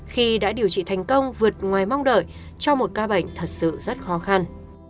khi đã điều trị thành công vượt ngoài mong đợi cho một ca bệnh thật sự rất khó khăn